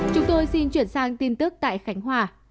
chúng tôi xin chuyển sang tin tức tại khánh hòa